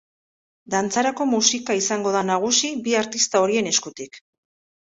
Dantzarako musika izango da nagusi bi artista horien eskutik.